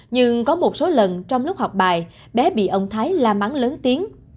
nhưng có một số lần trong lúc học bài bé bị ông thái la mắng lớn tiếng